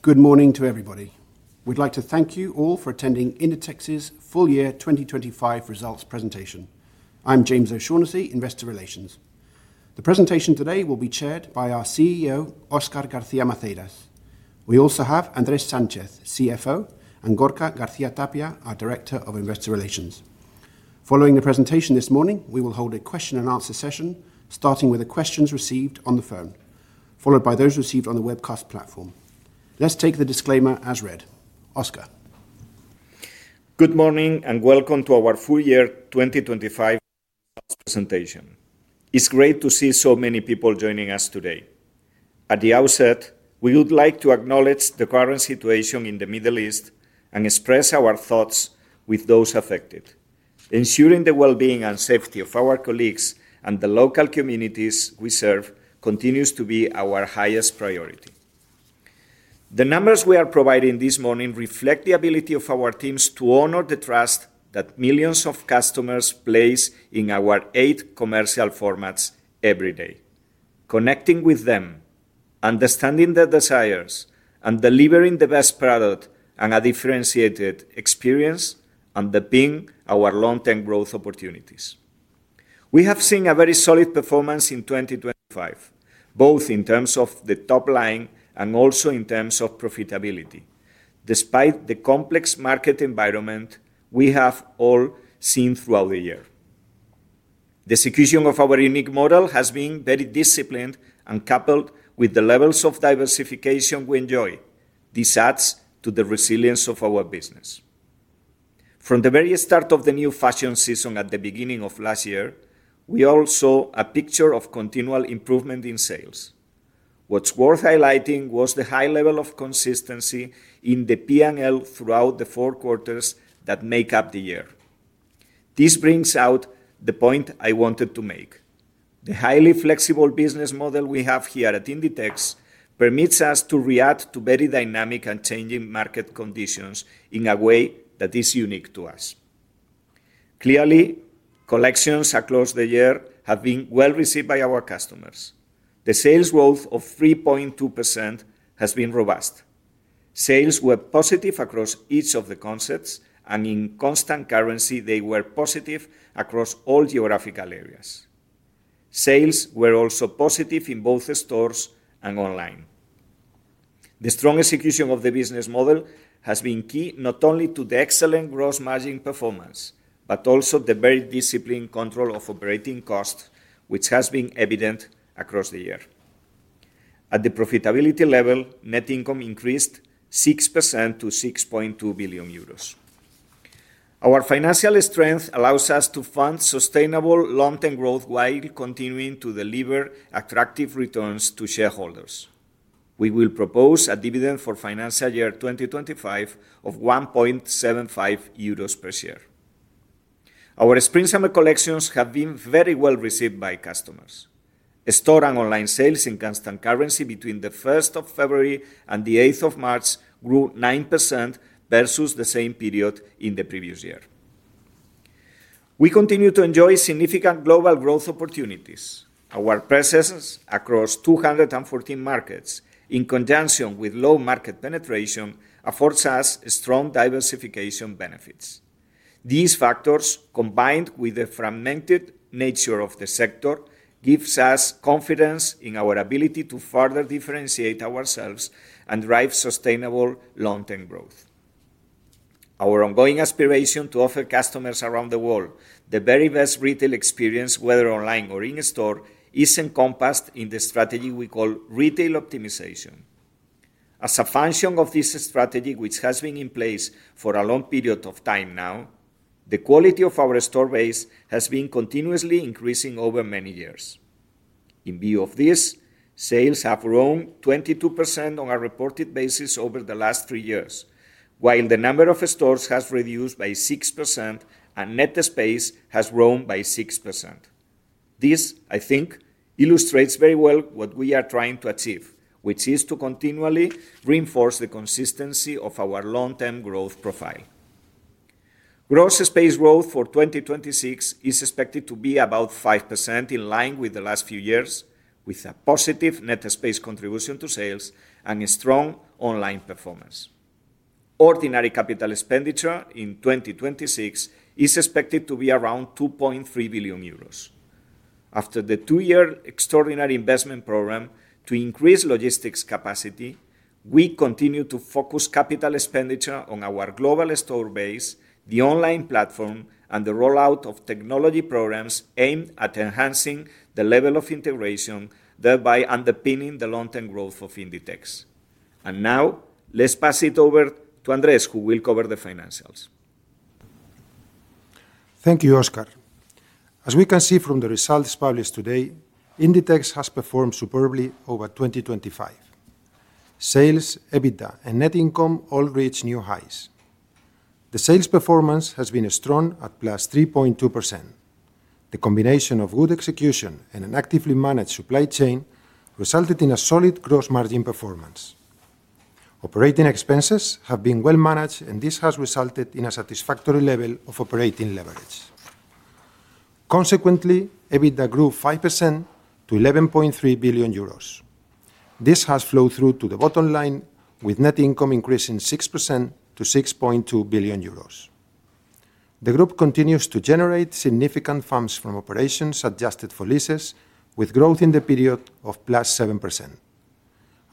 Good morning to everybody. We'd like to thank you all for attending Inditex's Full-Year 2025 Results Presentation. I'm James O'Shaughnessy, Investor Relations. The presentation today will be chaired by our CEO, Óscar García Maceiras. We also have Andrés Sánchez, CFO, and Gorka Garcia-Tapia, our Director of Investor Relations. Following the presentation this morning, we will hold a question and answer session, starting with the questions received on the phone, followed by those received on the webcast platform. Let's take the disclaimer as read. Oscar. Good morning and welcome to our Full-Year 2025 Results Presentation. It's great to see so many people joining us today. At the outset, we would like to acknowledge the current situation in the Middle East and express our thoughts with those affected. Ensuring the wellbeing and safety of our colleagues and the local communities we serve continues to be our highest priority. The numbers we are providing this morning reflect the ability of our teams to honor the trust that millions of customers place in our eight commercial formats every day. Connecting with them, understanding their desires, and delivering the best product and a differentiated experience underpinning our long-term growth opportunities. We have seen a very solid performance in 2025, both in terms of the top line and also in terms of profitability. Despite the complex market environment we have all seen throughout the year. The execution of our unique model has been very disciplined and coupled with the levels of diversification we enjoy. This adds to the resilience of our business. From the very start of the new fashion season at the beginning of last year, we all saw a picture of continual improvement in sales. What's worth highlighting was the high level of consistency in the P&L throughout the four quarters that make up the year. This brings out the point I wanted to make. The highly flexible business model we have here at Inditex permits us to react to very dynamic and changing market conditions in a way that is unique to us. Clearly, collections across the year have been well-received by our customers. The sales growth of 3.2% has been robust. Sales were positive across each of the concepts, and in constant currency, they were positive across all geographical areas. Sales were also positive in both stores and online. The strong execution of the business model has been key not only to the excellent gross margin performance, but also the very disciplined control of operating costs, which has been evident across the year. At the profitability level, net income increased 6% to 6.2 billion euros. Our financial strength allows us to fund sustainable long-term growth while continuing to deliver attractive returns to shareholders. We will propose a dividend for financial year 2025 of 1.75 euros per share. Our spring/summer collections have been very well-received by customers. Store and online sales in constant currency between the 1 st of February and the 8th of March grew 9% versus the same period in the previous year. We continue to enjoy significant global growth opportunities. Our processes across 214 markets, in conjunction with low market penetration, affords us strong diversification benefits. These factors, combined with the fragmented nature of the sector, gives us confidence in our ability to further differentiate ourselves and drive sustainable long-term growth. Our ongoing aspiration to offer customers around the world the very best retail experience, whether online or in store, is encompassed in the strategy we call retail optimization. As a function of this strategy, which has been in place for a long period of time now, the quality of our store base has been continuously increasing over many years. In view of this, sales have grown 22% on a reported basis over the last three years, while the number of stores has reduced by 6% and net space has grown by 6%. This, I think, illustrates very well what we are trying to achieve, which is to continually reinforce the consistency of our long-term growth profile. Gross space growth for 2026 is expected to be about 5%, in line with the last few years, with a positive net space contribution to sales and a strong online performance. Ordinary capital expenditure in 2026 is expected to be around 2.3 billion euros. After the two-year extraordinary investment program to increase logistics capacity, we continue to focus capital expenditure on our global store base, the online platform, and the rollout of technology programs aimed at enhancing the level of integration, thereby underpinning the long-term growth of Inditex. Now, let's pass it over to Andrés, who will cover the financials. Thank you, Óscar. As we can see from the results published today, Inditex has performed superbly over 2025. Sales, EBITDA, and net income all reached new highs. The sales performance has been strong at +3.2%. The combination of good execution and an actively managed supply chain resulted in a solid gross margin performance. Operating expenses have been well managed, and this has resulted in a satisfactory level of operating leverage. EBITDA grew 5% to 11.3 billion euros. This has flowed through to the bottom line, with net income increasing 6% to 6.2 billion euros. The group continues to generate significant funds from operations adjusted for leases, with growth in the period of +7%.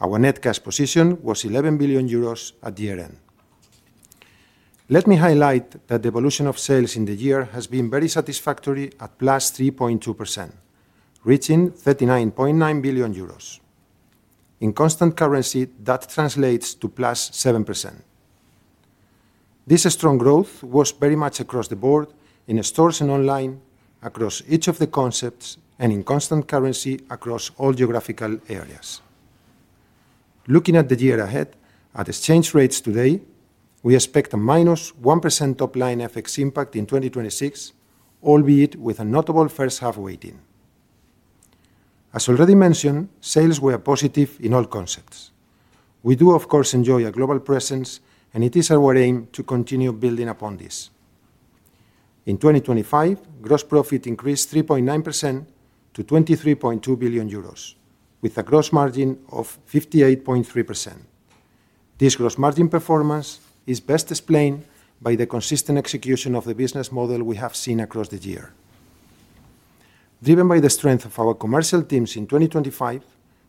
Our net cash position was 11 billion euros at year-end. Let me highlight that the evolution of sales in the year has been very satisfactory at +3.2%, reaching 39.9 billion euros. In constant currency, that translates to +7%. This strong growth was very much across the board in stores and online, across each of the concepts, and in constant currency across all geographical areas. Looking at the year ahead, at exchange rates today, we expect a -1% top-line FX impact in 2026, albeit with a notable first half weighting. As already mentioned, sales were positive in all concepts. We do, of course, enjoy a global presence, and it is our aim to continue building upon this. In 2025, gross profit increased 3.9% to 23.2 billion euros, with a gross margin of 58.3%. This gross margin performance is best explained by the consistent execution of the business model we have seen across the year. Driven by the strength of our commercial teams in 2025,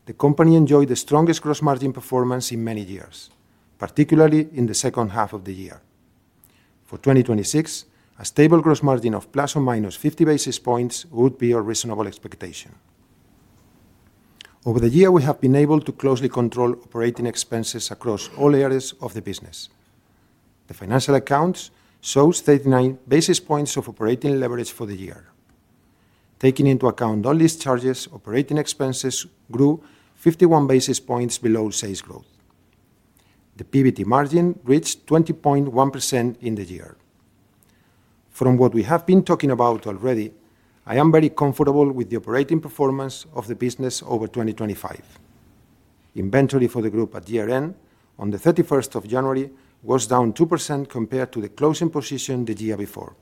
the company enjoyed the strongest gross margin performance in many years, particularly in the second half of the year. For 2026, a stable gross margin of ±50 basis points would be a reasonable expectation. Over the year, we have been able to closely control operating expenses across all areas of the business. The financial accounts show 39 basis points of operating leverage for the year. Taking into account all these charges, operating expenses grew 51 basis points below sales growth. The PBT margin reached 20.1% in the year. From what we have been talking about already, I am very comfortable with the operating performance of the business over 2025. Inventory for the group at year-end on the 31st of January was down 2% compared to the closing position the year before.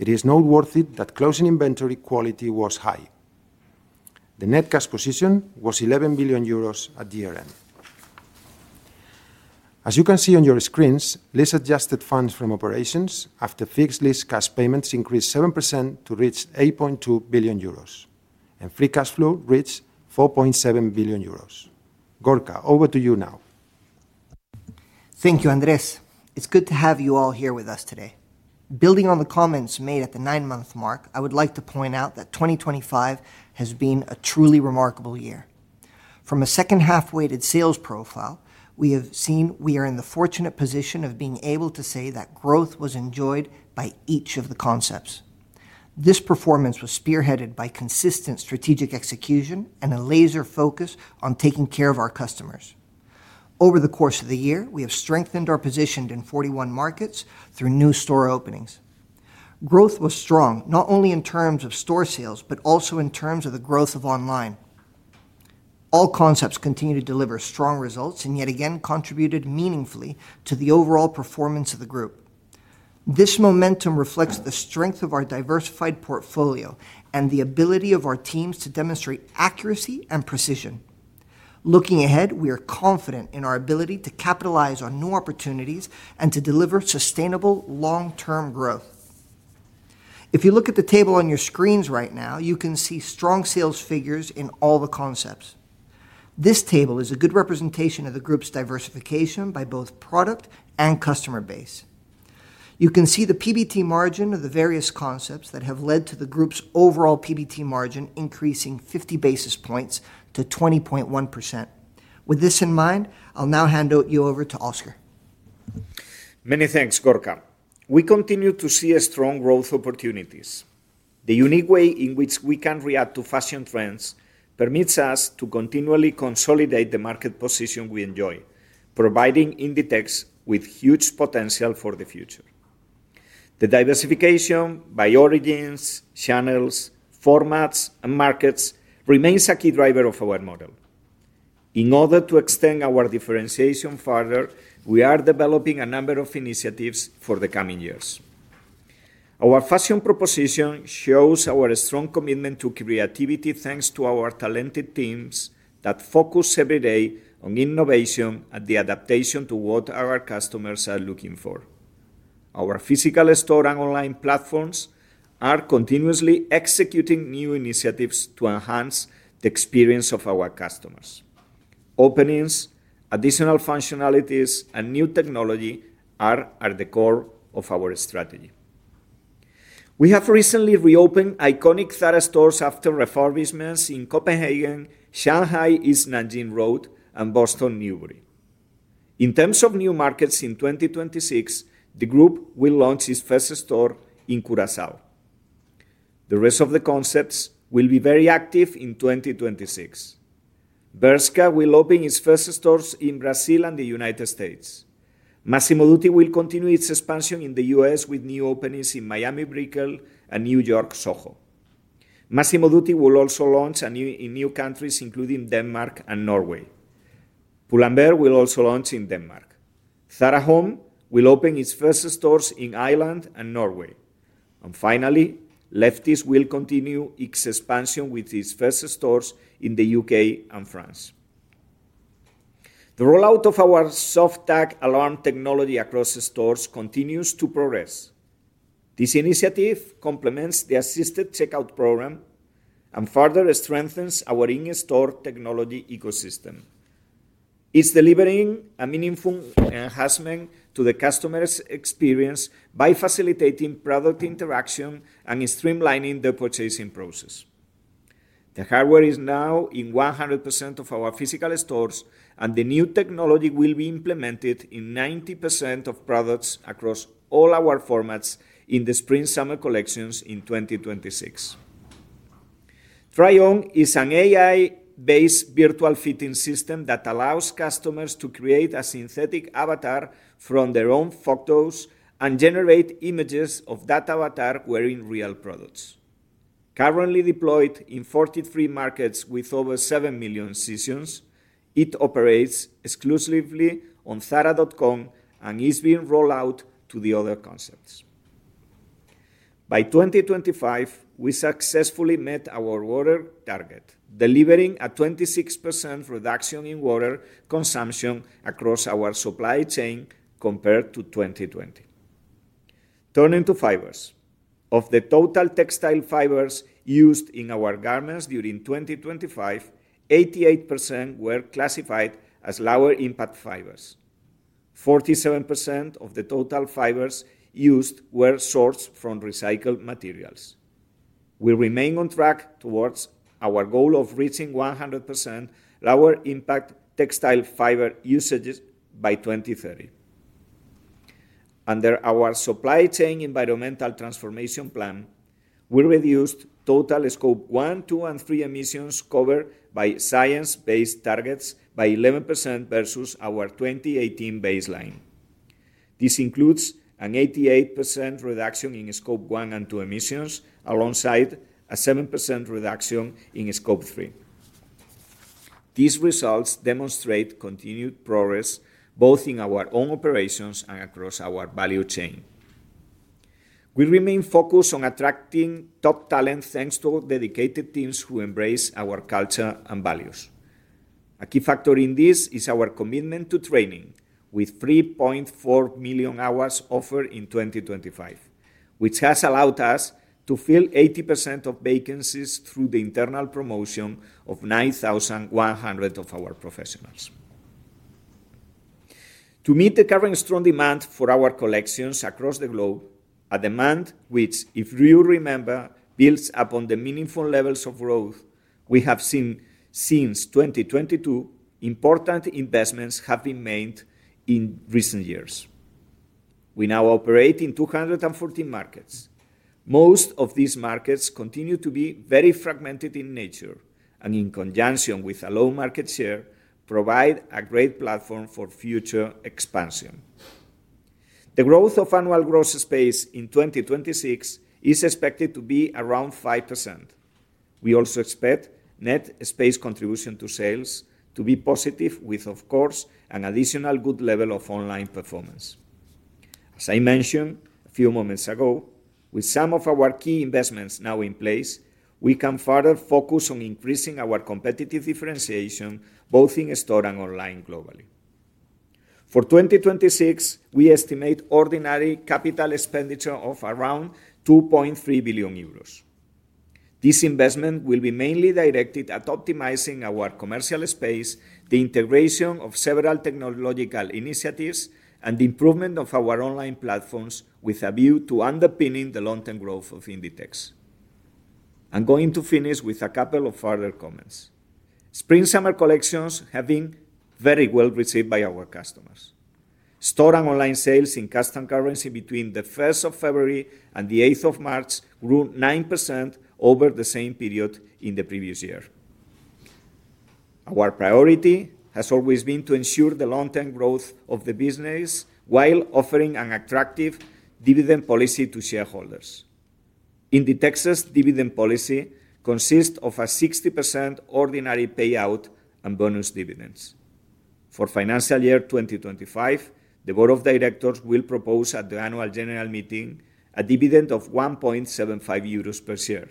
It is noteworthy that closing inventory quality was high. The net cash position was 11 billion euros at year-end. As you can see on your screens, lease-adjusted funds from operations after fixed lease cash payments increased 7% to reach 8.2 billion euros, and free cash flow reached 4.7 billion euros. Gorka, over to you now. Thank you, Andrés. It's good to have you all here with us today. Building on the comments made at the nine-month mark, I would like to point out that 2025 has been a truly remarkable year. From a second-half-weighted sales profile, we have seen we are in the fortunate position of being able to say that growth was enjoyed by each of the concepts. This performance was spearheaded by consistent strategic execution and a laser focus on taking care of our customers. Over the course of the year, we have strengthened our position in 41 markets through new store openings. Growth was strong, not only in terms of store sales, but also in terms of the growth of online. All concepts continue to deliver strong results, and yet again, contributed meaningfully to the overall performance of the group. This momentum reflects the strength of our diversified portfolio and the ability of our teams to demonstrate accuracy and precision. Looking ahead, we are confident in our ability to capitalize on new opportunities and to deliver sustainable long-term growth. If you look at the table on your screens right now, you can see strong sales figures in all the concepts. This table is a good representation of the group's diversification by both product and customer base. You can see the PBT margin of the various concepts that have led to the group's overall PBT margin increasing 50 basis points to 20.1%. With this in mind, I'll now hand over to Óscar. Many thanks, Gorka. We continue to see a strong growth opportunities. The unique way in which we can react to fashion trends permits us to continually consolidate the market position we enjoy, providing Inditex with huge potential for the future. The diversification by origins, channels, formats, and markets remains a key driver of our model. In order to extend our differentiation further, we are developing a number of initiatives for the coming years. Our fashion proposition shows our strong commitment to creativity thanks to our talented teams that focus every day on innovation and the adaptation to what our customers are looking for. Our physical store and online platforms are continuously executing new initiatives to enhance the experience of our customers. Openings, additional functionalities, and new technology are the core of our strategy. We have recently reopened iconic Zara stores after refurbishments in Copenhagen, Shanghai East Nanjing Road, and Boston Newbury. In terms of new markets in 2026, the group will launch its first store in Curaçao. The rest of the concepts will be very active in 2026. Bershka will open its first stores in Brazil and the United States. Massimo Dutti will continue its expansion in the U.S. with new openings in Miami Brickell and New York Soho. Massimo Dutti will also launch in new countries, including Denmark and Norway. Pull&Bear will also launch in Denmark. Zara Home will open its first stores in Ireland and Norway. Finally, Lefties will continue its expansion with its first stores in the U.K. and France. The rollout of our soft tag alarm technology across the stores continues to progress. This initiative complements the assisted checkout program and further strengthens our in-store technology ecosystem. It's delivering a meaningful enhancement to the customer's experience by facilitating product interaction and streamlining the purchasing process. The hardware is now in 100% of our physical stores, and the new technology will be implemented in 90% of products across all our formats in the spring/summer collections in 2026. Zara Try-on is an AI-based virtual fitting system that allows customers to create a synthetic avatar from their own photos and generate images of that avatar wearing real products. Currently deployed in 43 markets with over seven million sessions, it operates exclusively on zara.com and is being rolled out to the other concepts. By 2025, we successfully met our water target, delivering a 26% reduction in water consumption across our supply chain compared to 2020. Turning to fibers. Of the total textile fibers used in our garments during 2025, 88% were classified as lower-impact fibers. 47% of the total fibers used were sourced from recycled materials. We remain on track towards our goal of reaching 100% lower-impact textile fiber usages by 2030. Under our supply chain environmental transformation plan, we reduced total Scope 1, 2, and 3 emissions covered by Science Based Targets by 11% versus our 2018 baseline. This includes an 88% reduction in Scope 1 and 2 emissions, alongside a 7% reduction in Scope 3. These results demonstrate continued progress both in our own operations and across our value chain. We remain focused on attracting top talent, thanks to dedicated teams who embrace our culture and values. A key factor in this is our commitment to training with 3.4 million hours offered in 2025, which has allowed us to fill 80% of vacancies through the internal promotion of 9,100 of our professionals. To meet the current strong demand for our collections across the globe, a demand which, if you remember, builds upon the meaningful levels of growth we have seen since 2022, important investments have been made in recent years. We now operate in 214 markets. Most of these markets continue to be very fragmented in nature and in conjunction with a low market share, provide a great platform for future expansion. The growth of annual gross space in 2026 is expected to be around 5%. We also expect net space contribution to sales to be positive with, of course, an additional good level of online performance. As I mentioned a few moments ago, with some of our key investments now in place, we can further focus on increasing our competitive differentiation, both in store and online globally. For 2026, we estimate ordinary capital expenditure of around 2.3 billion euros. This investment will be mainly directed at optimizing our commercial space, the integration of several technological initiatives, and the improvement of our online platforms with a view to underpinning the long-term growth of Inditex. I'm going to finish with a couple of further comments. Spring/summer collections have been very well received by our customers. Store and online sales in constant currency between the first of February and the eighth of March grew 9% over the same period in the previous year. Our priority has always been to ensure the long-term growth of the business while offering an attractive dividend policy to shareholders. Inditex's dividend policy consists of a 60% ordinary payout and bonus dividends. For financial year 2025, the Board of Directors will propose at the Annual General Meeting a dividend of 1.75 euros per share,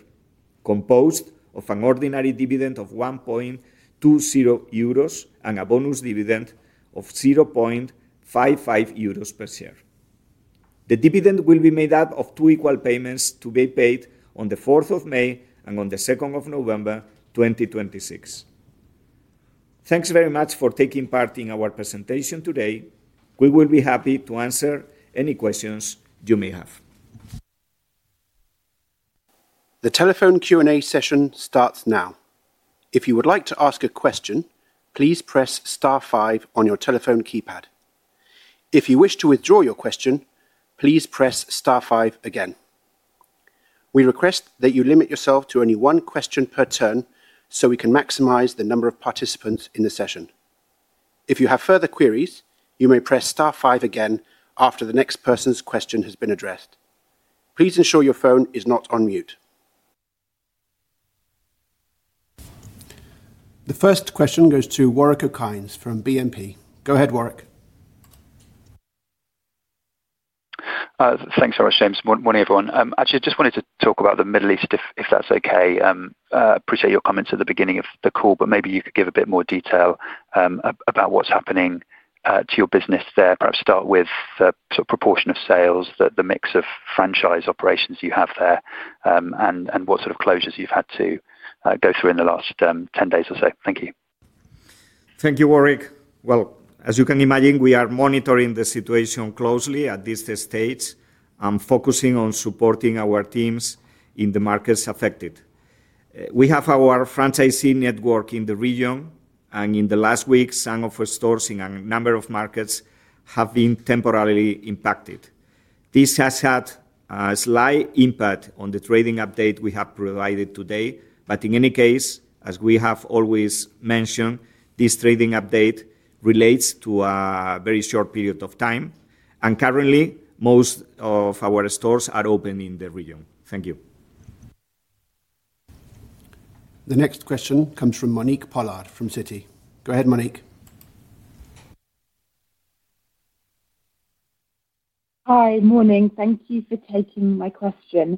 composed of an ordinary dividend of 1.20 euros and a bonus dividend of 0.55 euros per share. The dividend will be made up of two equal payments to be paid on the 4th of May and on the 2nd of November, 2026. Thanks very much for taking part in our presentation today. We will be happy to answer any questions you may have. The telephone Q&A session starts now. If you would like to ask a question, please press star five on your telephone keypad. If you wish to withdraw your question, please press star five again. We request that you limit yourself to only one question per turn so we can maximize the number of participants in the session. If you have further queries, you may press star five again after the next person's question has been addressed. Please ensure your phone is not on mute. The first question goes to Warwick Okines from BNP. Go ahead, Warwick. Thanks very much, James. Morning, everyone. Actually, I just wanted to talk about the Middle East, if that's okay. Appreciate your comments at the beginning of the call, but maybe you could give a bit more detail about what's happening to your business there. Perhaps start with the sort of proportion of sales, the mix of franchise operations you have there, and what sort of closures you've had to go through in the last 10 days or so. Thank you. Thank you, Warwick. Well, as you can imagine, we are monitoring the situation closely at this stage and focusing on supporting our teams in the markets affected. We have our franchisee network in the region, and in the last week, some of our stores in a number of markets have been temporarily impacted. This has had a slight impact on the trading update we have provided today. In any case, as we have always mentioned, this trading update relates to a very short period of time. Currently, most of our stores are open in the region. Thank you. The next question comes from Monique Pollard from Citi. Go ahead, Monique. Hi. Morning. Thank you for taking my question.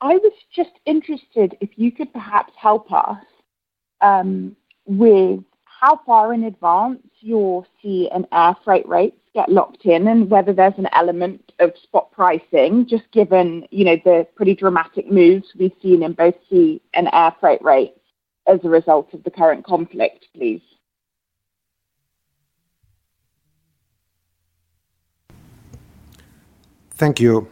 I was just interested if you could perhaps help us with how far in advance your sea and air freight rates get locked in and whether there's an element of spot pricing, just given, you know, the pretty dramatic moves we've seen in both sea and air freight rates as a result of the current conflict, please. Thank you.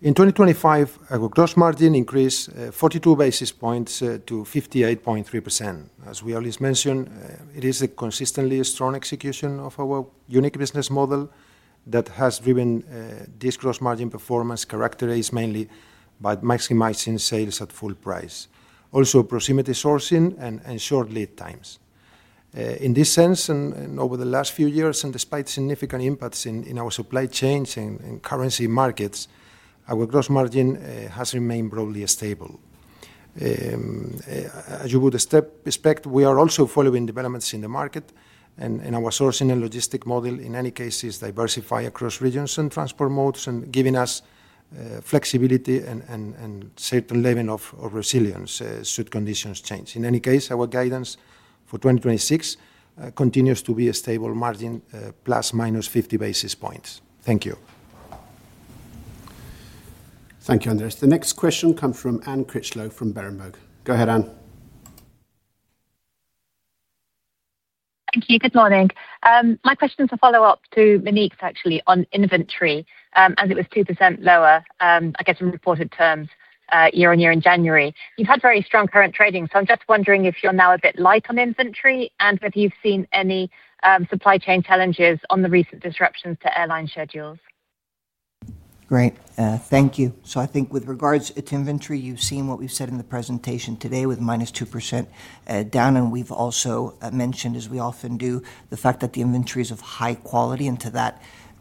In 2025, our gross margin increased 42 basis points to 58.3%. As we always mention, it is a consistently strong execution of our unique business model that has driven this gross margin performance, characterized mainly by maximizing sales at full price. Proximity sourcing and short lead times. In this sense and over the last few years, and despite significant impacts in our supply chains and currency markets, our gross margin has remained broadly stable. As you would expect, we are also following developments in the market and our sourcing and logistic model, in any case, is diversified across regions and transport modes and giving us flexibility and certain level of resilience should conditions change. In any case, our guidance for 2026 continues to be a stable margin ±50 basis points. Thank you. Thank you, Andrés. The next question come from Anne Critchlow from Berenberg. Go ahead, Anne. Thank you. Good morning. My question is a follow-up to Monique's, actually, on inventory, as it was 2% lower, I guess in reported terms, year-on-year in January. You've had very strong current trading, so I'm just wondering if you're now a bit light on inventory and whether you've seen any supply chain challenges on the recent disruptions to airline schedules. Great. Thank you. I think with regards to inventory, you've seen what we've said in the presentation today with -2% down. We've also mentioned, as we often do, the fact that the inventory is of high quality. To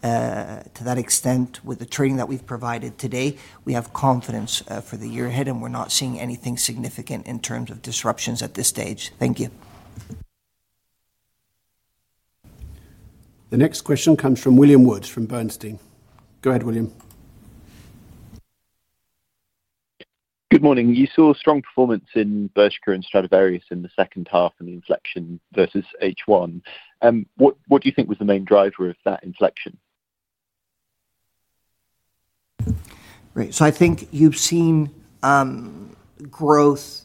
that extent, with the trading that we've provided today, we have confidence for the year ahead, and we're not seeing anything significant in terms of disruptions at this stage. Thank you. The next question comes from William Woods from Bernstein. Go ahead, William. Good morning. You saw strong performance in Bershka and Stradivarius in the second half and the inflection versus H1. What do you think was the main driver of that inflection? Great. I think you've seen growth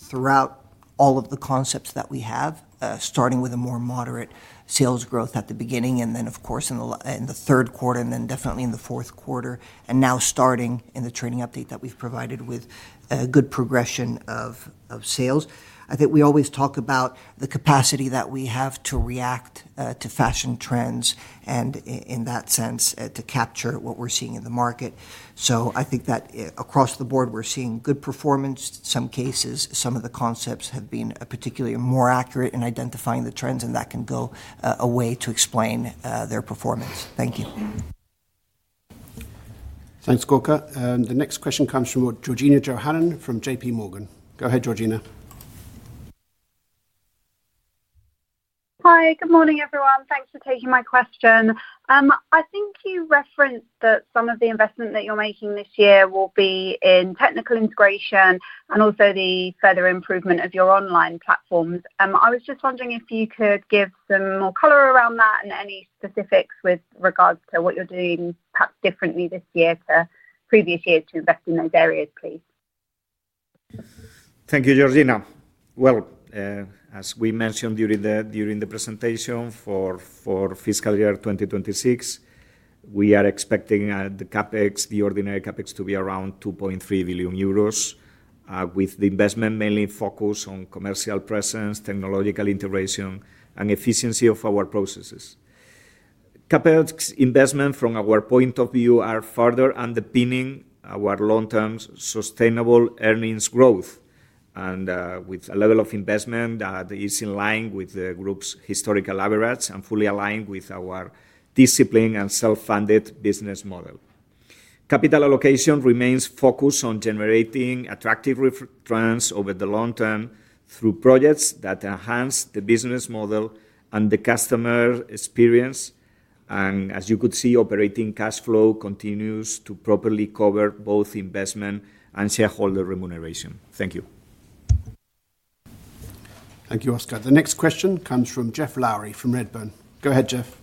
throughout all of the concepts that we have, starting with a more moderate sales growth at the beginning and then, of course, in the third quarter, and then definitely in the fourth quarter, and now starting in the trading update that we've provided with good progression of sales. I think we always talk about the capacity that we have to react to fashion trends and in that sense to capture what we're seeing in the market. I think that across the board, we're seeing good performance. Some cases, some of the concepts have been particularly more accurate in identifying the trends, and that can go a long way to explain their performance. Thank you. Thanks, Gorka. The next question comes from Georgina Johanan from JPMorgan. Go ahead, Georgina. Hi. Good morning, everyone. Thanks for taking my question. I think you referenced that some of the investment that you're making this year will be in technical integration and also the further improvement of your online platforms. I was just wondering if you could give some more color around that and any specifics with regards to what you're doing perhaps differently this year to previous years to invest in those areas, please. Thank you, Georgina. Well, as we mentioned during the presentation for fiscal year 2026, we are expecting the CapEx, the ordinary CapEx to be around 2.3 billion euros, with the investment mainly focused on commercial presence, technological integration, and efficiency of our processes. CapEx investment from our point of view are further underpinning our long-term sustainable earnings growth. With a level of investment that is in line with the group's historical average and fully aligned with our discipline and self-funded business model. Capital allocation remains focused on generating attractive returns over the long term through projects that enhance the business model and the customer experience. As you could see, operating cash flow continues to properly cover both investment and shareholder remuneration. Thank you. Thank you, Óscar. The next question comes from Geoff Lowery from Redburn. Go ahead, Jeff.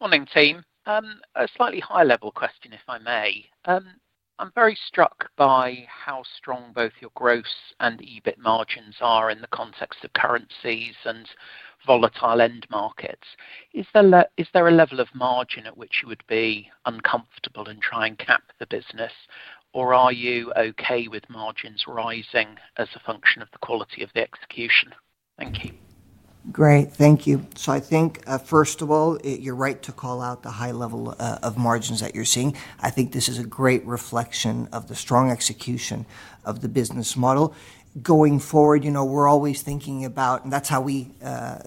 Morning, team. A slightly high-level question, if I may. I'm very struck by how strong both your gross and EBIT margins are in the context of currencies and volatile end markets. Is there a level of margin at which you would be uncomfortable and try and cap the business, or are you okay with margins rising as a function of the quality of the execution? Thank you. Great. Thank you. I think first of all, you're right to call out the high level of margins that you're seeing. I think this is a great reflection of the strong execution of the business model. Going forward, you know, we're always thinking about, and that's how we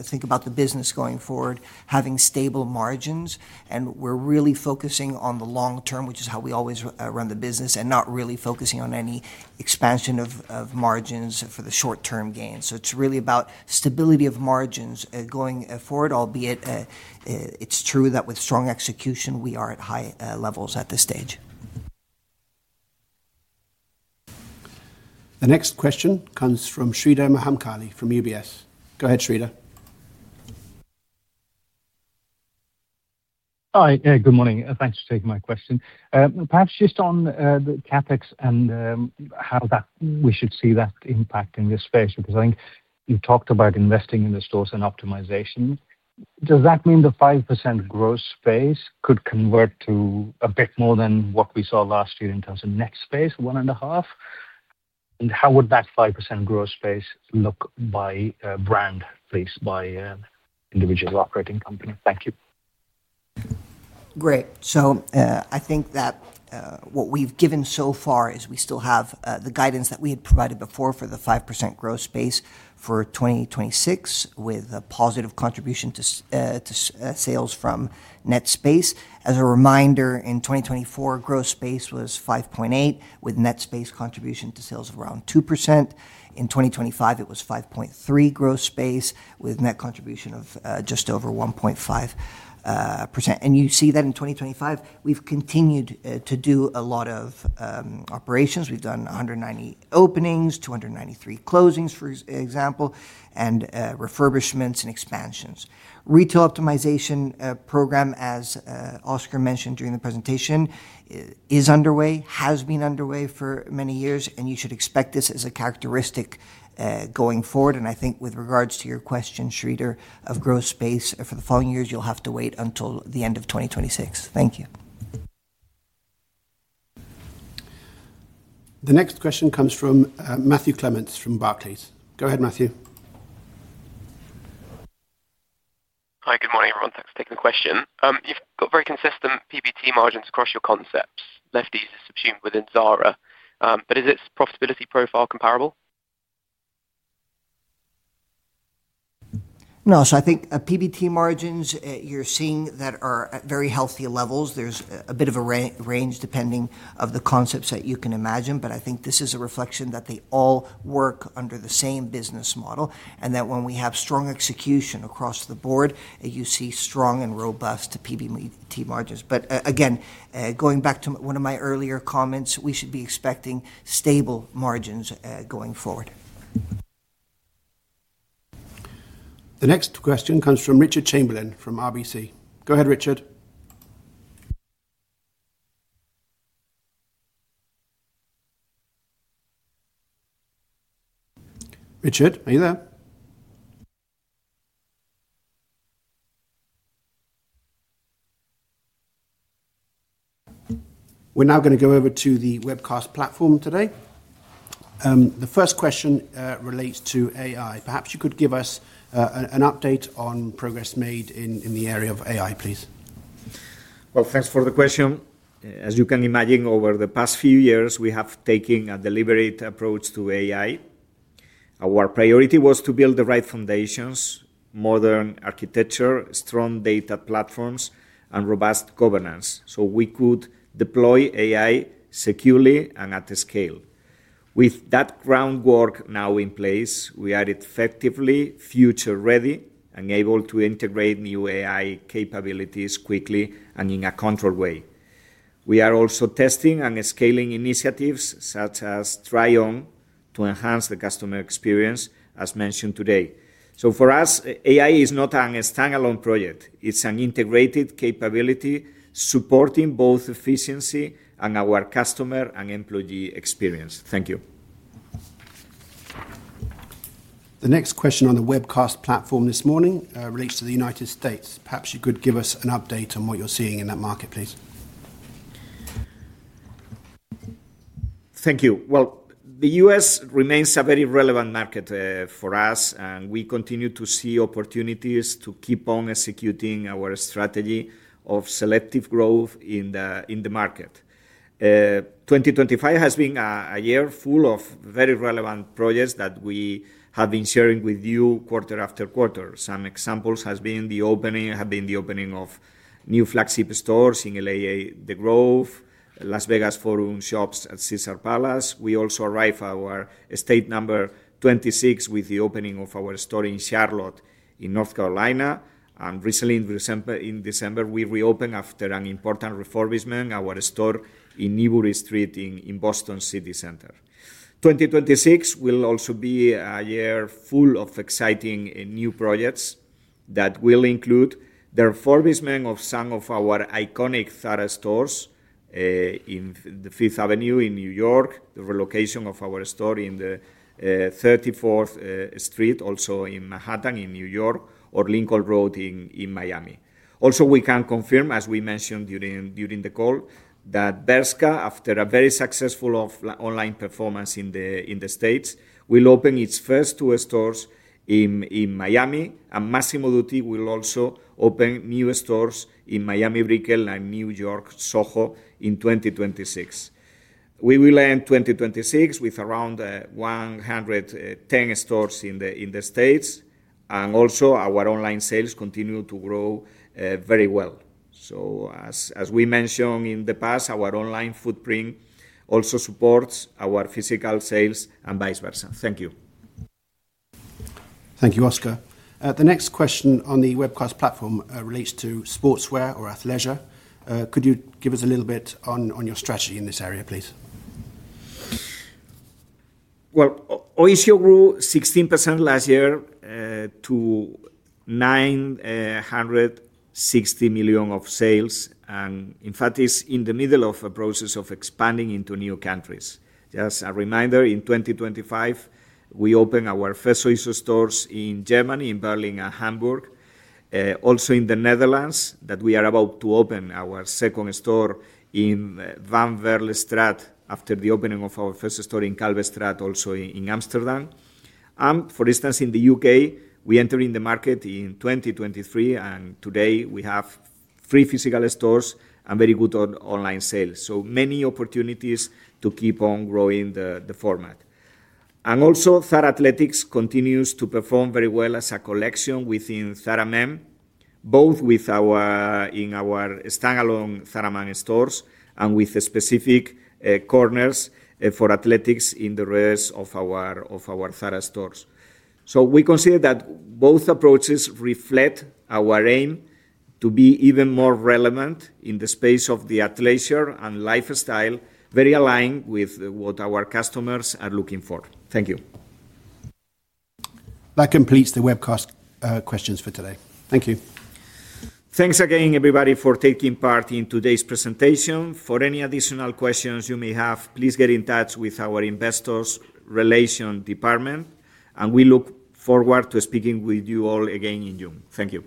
think about the business going forward, having stable margins, and we're really focusing on the long term, which is how we always run the business, and not really focusing on any expansion of margins for the short-term gains. It's really about stability of margins going forward, albeit it's true that with strong execution, we are at high levels at this stage. The next question comes from Sreedhar Mahamkali from UBS. Go ahead, Sreedhar. Hi. Yeah, good morning, and thanks for taking my question. Perhaps just on the CapEx and how that we should see that impact in this space, because I think you've talked about investing in the stores and optimization. Does that mean the 5% gross space could convert to a bit more than what we saw last year in terms of net space, 1.5%? And how would that 5% gross space look by brand, please, by individual operating company? Thank you. Great. I think that what we've given so far is we still have the guidance that we had provided before for the 5% gross space for 2026, with a positive contribution to sales from net space. As a reminder, in 2024, gross space was 5.8, with net space contribution to sales of around 2%. In 2025, it was 5.3 gross space, with net contribution of just over 1.5%. You see that in 2025, we've continued to do a lot of operations. We've done 190 openings, 293 closings, for example, and refurbishments and expansions. Retail optimization program, as Óscar mentioned during the presentation, is underway, has been underway for many years, and you should expect this as a characteristic going forward. I think with regards to your question, Sreedhar, of gross space for the following years, you'll have to wait until the end of 2026. Thank you. The next question comes from, Matthew Clements from Barclays. Go ahead, Matthew. Hi. Good morning, everyone. Thanks for taking the question. You've got very consistent PBT margins across your concepts. Lefties is subsumed within Zara, but is its profitability profile comparable? No. I think PBT margins you're seeing that are at very healthy levels. There's a bit of a range depending on the concepts that you can imagine, but I think this is a reflection that they all work under the same business model and that when we have strong execution across the board, you see strong and robust PBT margins. Again, going back to one of my earlier comments, we should be expecting stable margins going forward. The next question comes from Richard Chamberlain from RBC. Go ahead, Richard. Richard, are you there? We're now gonna go over to the webcast platform today. The first question relates to AI. Perhaps you could give us an update on progress made in the area of AI, please. Well, thanks for the question. As you can imagine, over the past few years, we have taken a deliberate approach to AI. Our priority was to build the right foundations, modern architecture, strong data platforms, and robust governance, so we could deploy AI securely and at scale. With that groundwork now in place, we are effectively future-ready and able to integrate new AI capabilities quickly and in a controlled way. We are also testing and scaling initiatives such as Zara Try-on to enhance the customer experience, as mentioned today. For us, AI is not a standalone project. It's an integrated capability supporting both efficiency and our customer and employee experience. Thank you. The next question on the webcast platform this morning relates to the United States. Perhaps you could give us an update on what you're seeing in that market, please. Thank you. Well, the U.S. remains a very relevant market for us, and we continue to see opportunities to keep on executing our strategy of selective growth in the market. 2025 has been a year full of very relevant projects that we have been sharing with you quarter after quarter. Some examples have been the opening of new flagship stores in L.A.’sThe Grove, Las Vegas Forum Shops at Caesars Palace. We also arrived our state number 26 with the opening of our store in Charlotte in North Carolina. Recently in December, we reopened, after an important refurbishment, our store in Newbury Street in Boston city center. 2026 will also be a year full of exciting and new projects that will include the refurbishment of some of our iconic Zara stores in Fifth Avenue in New York, the relocation of our store in the Thirty-Fourth Street, also in Manhattan, in New York, or Lincoln Road in Miami. Also, we can confirm, as we mentioned during the call, that Bershka, after a very successful online performance in the States, will open its first two stores in Miami, and Massimo Dutti will also open new stores in Miami Brickell and New York Soho in 2026. We will end 2026 with around 110 stores in the States. Also our online sales continue to grow very well. As we mentioned in the past, our online footprint also supports our physical sales and vice versa. Thank you. Thank you, Óscar. The next question on the webcast platform relates to sportswear or athleisure. Could you give us a little bit on your strategy in this area, please? OYSHO grew 16% last year to 960 million of sales and in fact is in the middle of a process of expanding into new countries. Just a reminder, in 2025, we opened our first OYSHO stores in Germany, in Berlin and Hamburg. Also in the Netherlands, we are about to open our second store in Van Baerlestraat after the opening of our first store in Kalverstraat, also in Amsterdam. For instance, in the U.K., we entered the market in 2023, and today we have three physical stores and very good online sales. Many opportunities to keep on growing the format. Zara Athleticz continues to perform very well as a collection within Zara Man. Both with our standalone Zara Man stores and with specific corners for athletics in the rest of our Zara stores. We consider that both approaches reflect our aim to be even more relevant in the space of the athleisure and lifestyle, very aligned with what our customers are looking for. Thank you. That completes the webcast, questions for today. Thank you. Thanks again, everybody, for taking part in today's presentation. For any additional questions you may have, please get in touch with our Investor Relations department, and we look forward to speaking with you all again in June. Thank you.